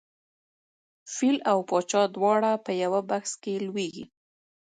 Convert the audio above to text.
فیل او پاچا دواړه په یوه بکس کې لویږي.